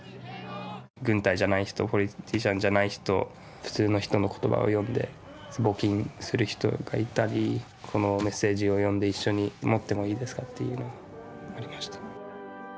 軍隊じゃない人ポリティシャンじゃない人普通の人の言葉を読んで募金する人がいたりこのメッセージを読んで一緒に持ってもいいですか？っていうようなありました。